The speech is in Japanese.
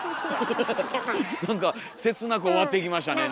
なんか切なく終わっていきましたね。